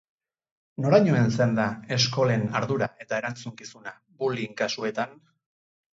Noraino heltzen da eskolen ardura eta erantzunkizuna bullying kasuetan?